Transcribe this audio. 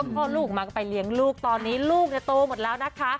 พ่อลูกออกมาก็ไปเลี้ยงลูกตอนนี้ลูกโตหมดแล้วนะคะ